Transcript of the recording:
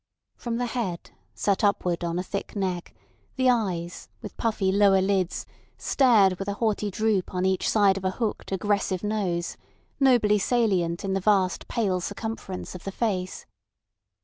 From the head, set upward on a thick neck, the eyes, with puffy lower lids, stared with a haughty droop on each side of a hooked aggressive nose, nobly salient in the vast pale circumference of the face.